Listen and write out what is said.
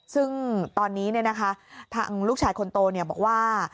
ซึ่งตอนนี้ทางลูกชายคนโตบอกว่า